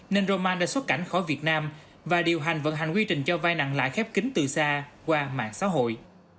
nên roman đã xuất cảnh khỏi việt nam và điều hành vận hành quy trình cho vai nặng lại khép kính từ xa qua mạng xã hội